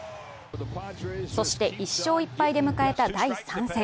そして１勝１敗で迎えた第３戦。